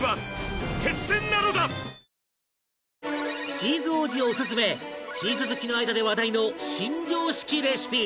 チーズ王子オススメチーズ好きの間で話題の新常識レシピ。